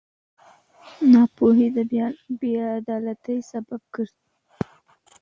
ناپوهي د بېعدالتۍ سبب ګرځي.